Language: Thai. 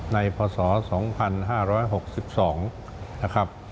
พศ๒๕๖๒นะครับ